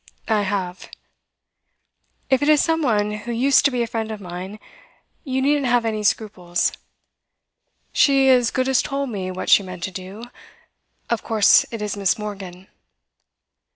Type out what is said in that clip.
'I have.' 'If it is some one who used to be a friend of mine, you needn't have any scruples. She as good as told me what she meant to do. Of course it is Miss. Morgan?